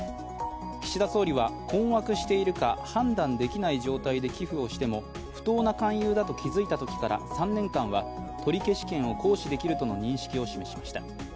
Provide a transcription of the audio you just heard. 岸田総理は困惑しているか判断できない状態で寄付をしても不当な勧誘だと気づいたときから３年間は取消権を行使できるとの認識を示しました。